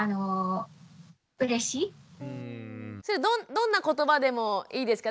どんな言葉でもいいですか？